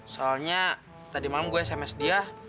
soalnya tadi malam gue sms dia